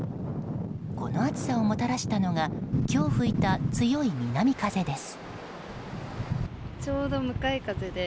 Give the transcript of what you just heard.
この暑さをもたらしたのが今日吹いた強い南風です。